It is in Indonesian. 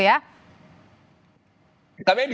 tidak perlu presiden begitu ya